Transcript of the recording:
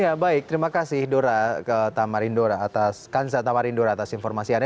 ya baik terima kasih dora kansah tamarindora atas informasi anda